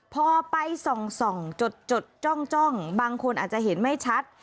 พอไปส่องจดจ้องบางคนอาจจะเห็นไม่ชัด